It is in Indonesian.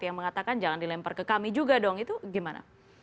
yang mengatakan jangan dilempar ke kami juga dong itu gimana